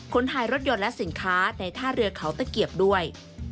ถ่ายรถยนต์และสินค้าในท่าเรือเขาตะเกียบด้วย